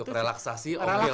untuk relaksasi oke lah